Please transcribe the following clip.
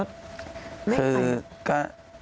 คือก็